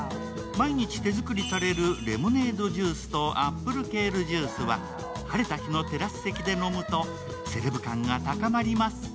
毎日手作りされるレモネードジュースとアップル・ケールジュースは晴れた日のテラス席で飲むとセレブ感が高まります。